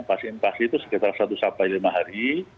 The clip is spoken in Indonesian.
fase invasi itu sekitar satu sampai lima hari